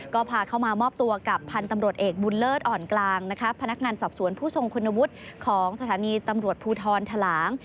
ก็พาเข้ามามอบตัวกับพันธุ์ตำรวจเอกบุญเลิศอ่อนกลางนะคะพนักงานสอบสวนผู้ทรงคุณวุฒิของสถานีตำรวจภูทรทะหลาง